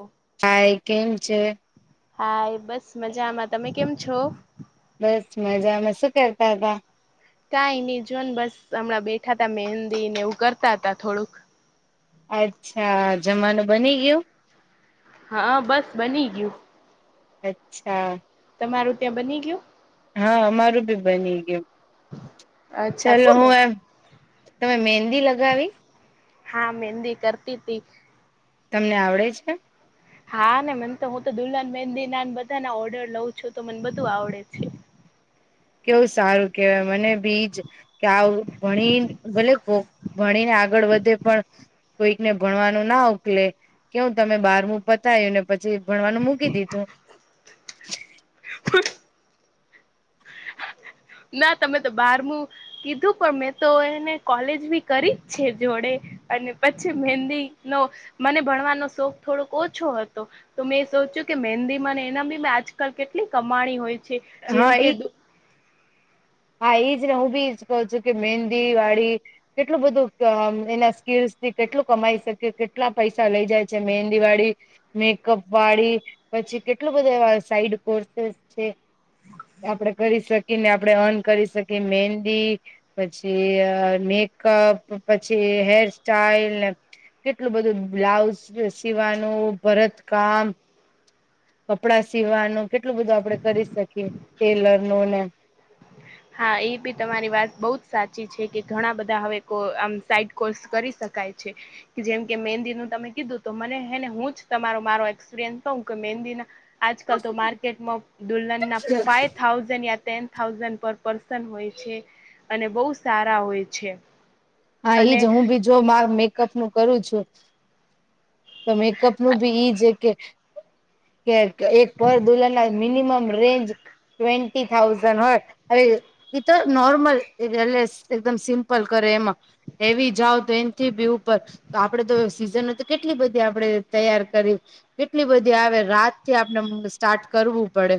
ઓ hi કેમ છે hi બસ મજામાં તમે કેમ છો બસ મજા માં શું કરતા હતા કઈ નહી જો ને બસ હમણાં બેઠા હતા મહેંદી ને એવું કરતા હતા થોડુંક અચ્છા જમાનું બની ગયું હા બસ બની ગયું અચ્છા તમારું ત્યાં બની ગયું હા અમારું બી બની ગયું અચ્છા ચાલો શું હું બન આ તમે મહેંદી લગાવી હા મહેંદી કરતી હતી તમને આવડે છે હા ને મને તો હું તો દુલ્હન મેંદી ના બધા ના ઓર્ડર લઉં છું તો મને બધું આવડે છે કેવું સારુ કહેવાય મને બીજ કે આવ ભણી ભલે ભણીને આગળ વધે પણ કોઈકને ભણવાનું ના ઉકલે કેવ તમે બારમું પતાયુંને પછી ભણવાનું મૂકી દીધું હ ના તમે તો બારમું કીધું પણ મેં તો એને કોલેજ બી કરી જ છે જોડે અને પછી મહેંદી નો મને ભણવાનો શોખ થોડોક ઓછો હતો તો મેં સોચ્યું કે મહેંદીમાંને એના બી મે આજકાલ કેટલી કમાણી હોય છે જેમ હા એ કે હા એઈજ ને હું બી ઇ જ કહું છું કે મેંદી વાળી કેટલું બધું એના સ્કીલસ થી કેટલું કમાઈ શકે કેટલા પૈસા લઇ જાય છે મેહેંદીવાળી મેકઅપ વાળી પછી કેટલું બધા એવા સાઈડ કોર્સેસ છે. આપડે કરી શકીએ ને આપડે અન કરી શકી મેંદી પછી મેકઅપ પછી હેર સ્ટાઇલ ને કેટલું બધું બ્લાઉઝ સીવાનું ભરતકામ કપડા સીવાનું કેટલું બધું આપડે કરી શકીએ ટેલર નુ ને હા એ બી તમારી વાત બઉ જ સાચી છે. કે ઘણા બધા હવે કો આમ સાઈડ કૉર્સ કરી શકાય છે. જેમ કે મહેંદીનું તમે કીધું તો મને હે ને હું જ તમારો મારો એક્સપિરિયન્સ કવ કે મહેંદીના આજકાલ તો માર્કેટમાં દુલ્હન ના ફાઇવ થા થાઉઝન્ડ યા ટેન થાઉઝન્ડ પર પર્સન હોય છે. અને બહુ સારા હોય છે. હા એ અને જ હું ભી જો માં મેકઅપ નું કરું છું. તો મેકઅપ નું ભી ઈજ એ કે કે એક પર દુલ્લા ના મિનિમમ રેન્જ ટ્વેન્ટી થાઉઝન્ડ હોત હવે એ તો નોર્મલ [unintelligible] એકદમ સિમ્પ કરે એમાં હેવી જાવ તો એન થી બી ઉપર તો આપડે તો સીઝન હોય તો કેટલી બધી આપણે તૈયાર કરી કેટલી બધી આવે રાતથી આપણે સ્ટાર્ટ કરવું પડે.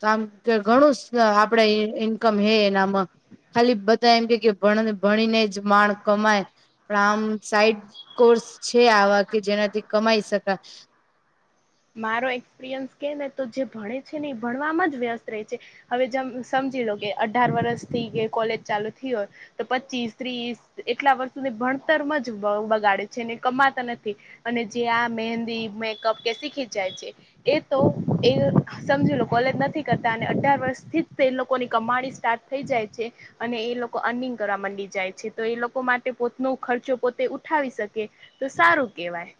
તો આમ કે ઘણું આપડે ઈન્કમ હે એનામાં. ખાલી બધા એમ કે કે ભણ ભણીને જ માણ કમાય. પણ આમ સાઈડ કોર્સ છે, આવા કે જેનાથી કમાઈ શકાય. મારો એક્સપિરિયન્સ કે ને તો જે ભણે છે ને એ ભણવામાં જ વ્યસ્ત રહે છે. હવે એમ સમજી લો કે અઢાર વર્ષ થી એ કોલેજ ચાલુ થયું હે. તો પચીસ ત્રીસ એટલા વર્ષો ભણતરમાં જ બ બગાડે છે, ને કમાતા નથી. અને જે આ મહેંદી મેકઅપ કે શીખી જાય છે. એ તો એ સમજી લો કોલેજ નથી કરતા અને અઢાર વર્ષથી જ એ લોકોની કમાણી સ્ટાર્ટ થઈ જાય છે. અને એ લોકો અર્નિંગ કરવા માંડી જાય છે. તો એ લોકો માટે પોતનો ખર્ચો પોતે ઉઠાવી શકે તો સારું કેવાય.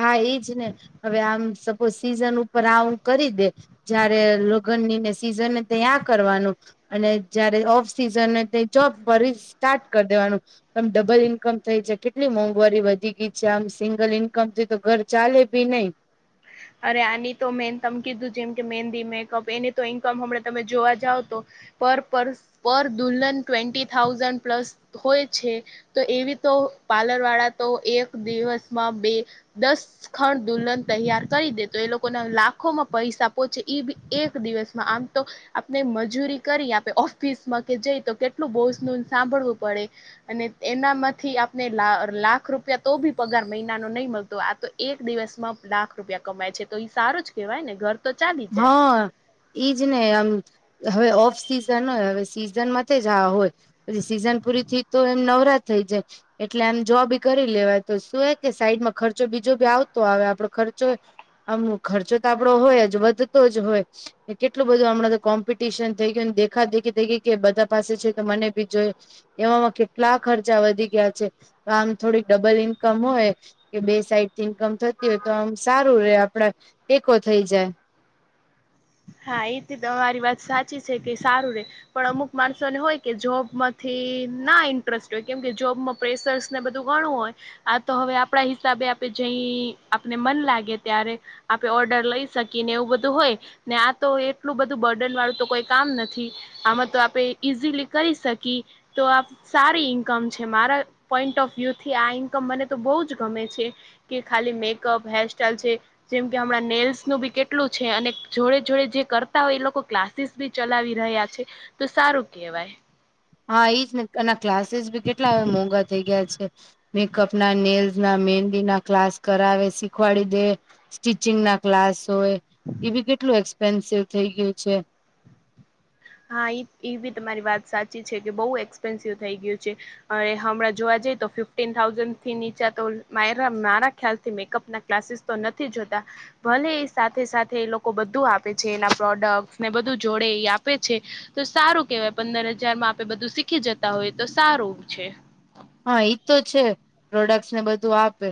હા ઈ જ ને હવે આમ સપોઝ સીઝન ઉપર આવું કરી દે જયારે લગન ની ને સિઝને તે આ કરવાનું અને જયારે ઓફ સિઝને તે જોબ ભરી સ્ટાર્ટ કર દેવાનું. આમ ડબલ ઈન્કમ થઈ છે. કેટલી મોંઘવારી વધી ગઈ છે, આમ સિંગલ ઇન કમ થી તો ઘર ચાલે ભી નહી. અરે આની તો મેન તમે કીધું જેમ કે મેંદી મેકઅપ એની તો ઇન્કમ હમણાં તમે જોવા જાવ તો પર પર પર દુલ્હન ટ્વેન્ટી થાઉઝન્ડ પ્લસ હોય છે. તો એવી તો પાર્લર વાળા તો એક દિવસમાં બે દસ ખડ દુલ્હન તૈયાર કરી દેતો એ લોકોના લાખોમાં પૈસા પહોંચે એ બી એક દિવસમાં આમ તો આપણે મજૂરી કરીએ આપણે ઓફિસમાં કે જઈ તો કેટલું બોસ નુ ન સાંભળવું પડે. અને એનામાંથી આપને લા લાખ રૂપિયા તો ભી પગાર મહિના નો નહી મળતો હોય આતો એક દિવસમાં લાખ રૂપિયા કમાય છે. તો ઇ સારું જ કહેવાય ને ઘર તો ચાલી જાય હા ઈઝ ને આમ. હવે ઓફ સિઝન હોય હવે સિઝન માથે જ હા હોય. પછી સીઝન પુરી થઇ તો એમ નવરા થઈ જાય. એટલે એમ જોબ કરી લેવાય તો શું હે કે સાઈડમાં ખર્ચો બીજો બી આવતો આવે આપડો ખર્ચો આમ ખર્ચો તો આપડો હોય જ વધતો જ હોય. કેટલું બધું હમણાં તો કોમ્પિટિશન થઈ ગયું ન દેખાદેખી થઈ ગઈ કે બધા પાસે છે તો મને બી જોઈએ. એવામાં કેટલા ખર્ચા વધી ગયા છે તો આમ થોડી ડબલ ઈન્કમ હોય. કે બે સાઈડ થી ઇન્કમ થતી હોય તો આમ સારું રે આપડા ટેકો થઈ જાય. હા એથી તમારી વાત સાચી છે કે સારું રે. પણ અમુક માણસોને હોય કે જોબમાંથી ના ઇન્ટરેસ્ટ હોય કેમ કે જોબમાં પ્રેસર્સ ને બધું ઘણું હોય. આ તો હવે આપણા હિસાબે આપે જઈ આપને મન લાગે ત્યારે આપે ઓર્ડર લઈ શકી ને એવું બધું હોય. ને આ તો એટલું બધું બર્ડન વાળું તો કોઈ કામ નથી. આમાં તો આપે ઈઝીલી કરી શકી. તો આ સારી ઈન્કમ છે મારા પોઈન્ટ ઓફ વ્યુ થી આ ઇન્કમ મને તો બહુ જ ગમે છે. કે ખાલી મેકઅપ, હેરસ્ટાઈલ છે. જેમ કે હમણાં નેલ્સ નું બી કેટલું છે, અને જોડે - જોડે જે કરતા હોય એ લોકો ક્લાસીસ બી ચલાવી રહ્યા છે. તો સારું કેહેવાય. હા ઇજ ને અના ક્લાસીસ બી કેટલા હ મોંઘા થઈ ગયા છે. મેકપ ના, નેલજ ના, મહેંદી ના ક્લાસ કરાવે શીખવાડી દે. ટીચિંગ ના ક્લાસ હોય, એ બી કેટલું એક્સપેન્સિવ થઈ ગયું છે. હા એ એ બી તમારી વાત સાચી છે કે બહુ એક્સપેન્સિવ થઈ ગયું છે. હવે હમણાં જોવા જઈએ તો ફિફ્ટીન થાઉઝન્ડ થી નીચા તો માઇરા મારા ખ્યાલથી મેકઅપ ના ક્લાસીસ તો નથી જોતા ભલે એ સાથે - સાથે એ લોકો બધું આપે છે, એના પ્રોડક્ટ ને બધું જોડે એ આપ આપે છે. તો સારું કેહેવાય પંદર હજારમાં આપે બધું શીખી જતા હોય તો સારું છે. હા ઈ તો છે. પ્રોડક્ટસ ને બધું આપે.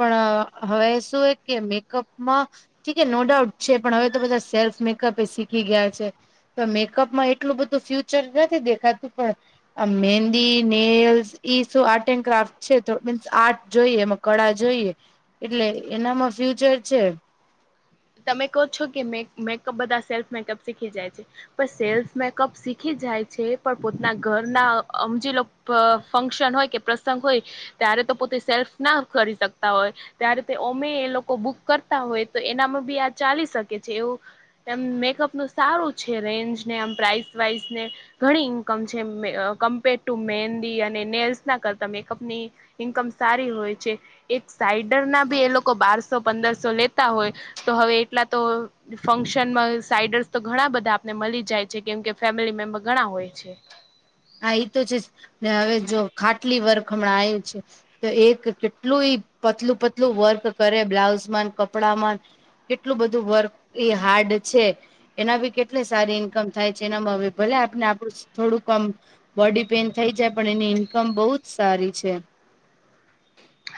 પણ હવે શું હે કે મેકઅપમાં ઠી કે નો ડાઉટ છે, પણ હવે તો બધા સેલ્ફ મેકઅપ એ શીખી ગયા છે. તો મેકઅપમાં એટલું બધું ફ્યુચર નથી દેખાતું, પણ આ મેદી નેલ્સ ઈ શું આર્ટ એન્ડ ક્રાફ્ટ છે. તો મીન્સ આર્ટ જોઈએ એમાં કળા જોઈએ એટલે એનામાં ફ્યુચર છે. તમે કહો છો કે મેક મેકઅપ બધા સેલ્ફ મેકઅપ શીખી જાય છે. પણ સેલ્ફ મેકઅપ શીખી જાય છે, પણ પોતાના ઘરના અ અમજી લો. પ ફંક્શન હોય કે પ્રસંગ હોય. ત્યારે તો પોતે સેલ્ફ ના કરી શકતા હોય. ત્યારે તે ઓમે એ લોકો બુક કરતા હોય. તો એનામાં બી આ ચાલી શકે છે એવું એમ મેકઅપ તો સારું છે. રેન્જને આમ પ્રાઇસ વાઈઝ ને ઘણી ઇન્કમ છે. અ કમ્પેર ટુ મહેંદી અને નેલ્સના કરતા મેકઅપની ઇન્કમ સારી હોય છે. એક સાઈડર ના બી એ લોકો બારસો પંદરસો લેતા હોય તો હવે એટલા તો ફંક્શનમાં સાઈડર્સ તો ઘણા બધા આપને મલી જાય છે, કેમ કે ફેમિલી મેમ્બર ઘણા હોય છે. હા એ તો છે ને હવે જો ખાટલી વર્ખ હમણાં આયુ છે. તો એક કેટલું ઈ પતલું - પતલું વર્ક કરે બ્લાઉઝ મા કપડા માં કેટલું બધું વર્ક એ હાર્ડ છે. એના બી કે એટલે સારી ઈન્કમ થાય છે. એનામાં હવે ભલે આપને આપણું થોડુંક કમ બોડી પેઇન થઈ જાય, પણ એની ઇન્કમ બહુ જ સારી છે.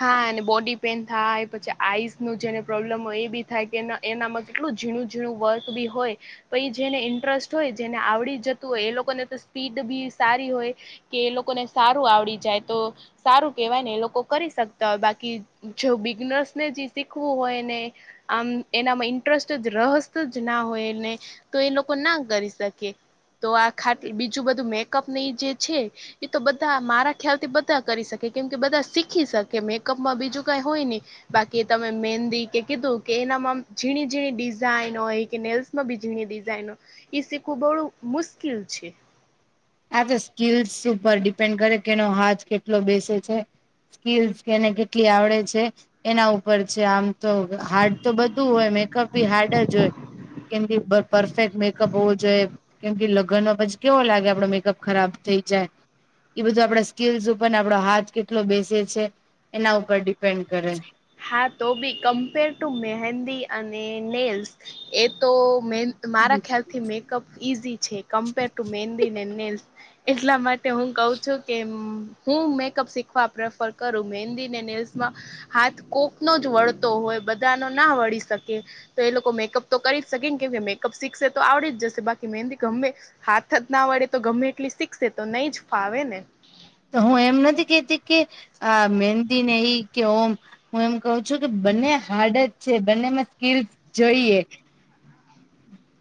હા અને બોડી પેન થાય, પછી આઈસ નું જેને પ્રોબ્લેમ હોય એ બી થાય કે ના એનામાં કેટલું ઝીણું - ઝીણું વર્ક બી હોય. પ ઇ જેને ઇન્ટરેસ્ટ હોય જેને આવડી જતું હોય એ લોકોને તો સ્પીડ બી સારી હોય કે એ લોકોને સારું આવડી જાય તો, સારું કેવાય ને એ લોકો કરી શકતા હોય, બાકી જો બિગનર્સને જે શીખવું હોય ને આમ એનામાં ઇન્ટરેસ્ટ જ રહસ જ ના હોયને તો એ લોકો ના કરી શકે તો આ ખા બીજું બધું મેકઅપની જે છે. એ તો બધા મારા ખ્યાલથી બધા કરી શકે કેમ કે બધા શીખ શીખી શકે મેકઅપમાં બીજું કાંઈ હોય નહીં બાકી તમે મેંદી કે કીધું કે એનામાં ઝીણી - ઝીણી ડિઝાઇન હોય કે નેલ્શ માં બીજીની ડિઝાઇનો શીખવું થોડુ મુશ્કેલ છે આ તો સ્કીલસ ઉપર ડિપેન્ડ કરે કેનો હાથ કેટલો બેસે છે સ્કીલસ કે એને કેટલી આવડે છે એના ઉપર છે આમ તો હાર્ડ તો બધું હોય, મેકઅપ બી હાર્ડ જ હોય કેમ કે પરફેક્ટ મેકઅપ હોવો જોઈએ કેમ કે લગ્નમાં પછી કેવો લાગે આપડો મે ખરાબ થઈ જાય એ બધું આપડા સ્કીલ્સ ઉપર ને આપડો હાથ કેટલો બેસે છે એના ઉપર ડિપેન્ડ કરે હા, તો બી કમ્પેર ટુ મહેંદી અને નેલ્સ એ તો મે મારા ખ્યાલથી મેકઅપ ઈઝી છે કમ્પેર ટુ મેંદી એડ નેલ્સ એટલા માટે તે હું કઉ છું કે હું મેકઅપ શીખવા પ્રેફર કરું મહેંદીને નેલ્સમાં હાથ કોક નો જ વળતો હોય બધાનો ના વળી શકે તો એ લોકો મેકઅપ તો કરી જ શકે ને કેમ કે મેકઅપ શીખશે તો આવડી જશે બાકી મહેંદી ગમે હાથ જ ના વડે તો ગમે એટલી શીખસે તો નહી જ ફાવે ને તો હું એમ નથી કેતી કે આ મહેંદીને એ કે ઓમ હું એમ કઉ છું કે બંને હાર્ડજ છે બંને સ્કીલસ જોઈએ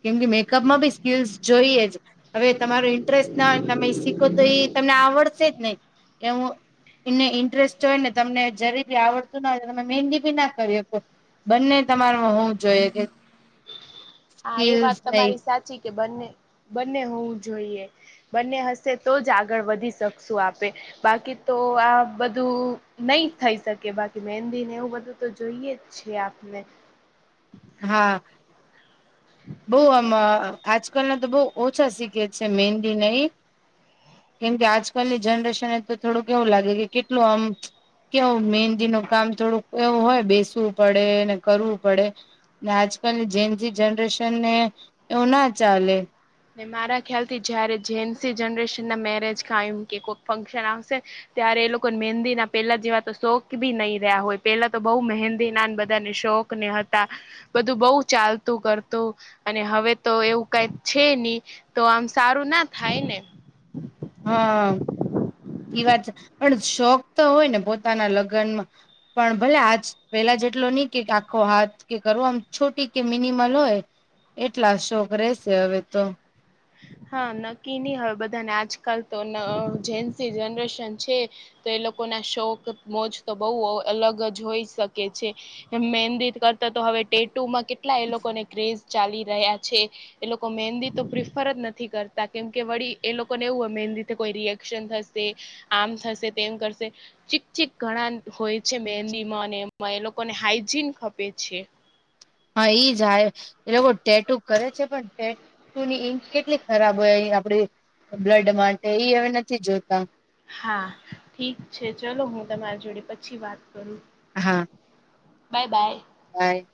કેમ કે મેકઅપમાં બી સ્કીલ્સ જોઈએ જ હવે તમારો ઇન્ટરેસ્ટ ના હોય તમે શીખો તો એ તમને આવડશે જ નહી એ હું એને ઇન્ટરેસ્ટ હોય ને તમને જરી બી આવડતું ના હોય તમે મહેંદી ના કરી હકો બંનેતમારુ હોવુ જોઈએ કે હા, એ સ્કીલ્સ વાત નહી તમારી સાચી કે બંને બંને હોવું જોઈએ બંને હશે તો જ આગળ વધી શકશું આપે બાકી તો આ બધું નહી થઈ શકે બાકી મેહંદીને એવું બધું તો જોઈએ જ છે આપને હા, બહુઆમ આજકાલ ના તો બહુ ઓછા શીખે છે મેહેંદી ને ઈ કેમ કે આજકાલની જનરેશન એ તો થોડું કે એવું લાગે કે કેટલું આમ કેવું મહેંદી નુ કામ થોડુંક એવું હોય બેસવું પડે ને કરવું પડે ને આજકાલની જેન્સી જનરેશન ને એવું ના ચાલે ને મારા ખ્યાલ થી જયારે જેન્સી જનરેશન ના મેરેજ કાયમ કે કોઈક ફંક્શન આવશે ત્યારે એ લોકો મહેંદી ના પેલા જેવા તો શોખ ભી નહી રહ્યા હોય પેલા તો બહુ મહેંદી ના બધાને શોખ ને હતા બધું બહુ ચાલતું, કરતું અને હવે તો એવું કઈ છે ની તો આમ સારું ના થાય ને હા, ઈ વાત છે પણ શોખ તો હોય ને પોતાના લગ્નમાં પણ ભલે આજ પેલા જેટલો ની કે આખો હાથ કે કરો આમ છોટી કે મિનિમલ હોય એટલા શોક રહેશે હવે તો હા, નક્કી ની હવે બધાને આજકાલ તો જેન્સ જનરેશન છે તો એ લોકો ના શોક મોજ તો બહુ અલગ જ હોઈ શકે છે એ મેંદી કરતા તો હવે ટેટુમાં કેટ એટલા એ લોકોને ક્રેઝ ચાલી રહ્યા છે એ લોકો મેંદી તો પ્ર ફરજ નથી કરતા કેમ કે વળી એ લોકોને એવું હોય મહેંદી થીકોઈ રિએક્શન થશે આમ થશે, તેમ કરશે ચીક ચીક ઘણા હોય છે મહેંદી માં અને એમાં એ લોકોને હાઈજીન ખપે છે હા ઈ જ હાય એ લોકો ટેટું કરે છે પણ ની ઈંક કેટલી ખરાબ હોય આપડી બ્લડ માટે ઈ હવે નથી જોતા હા, ઠીક છે, ચલો હું તમારી જોડે પછી વાત કરું હા, બાય બાય, હાય,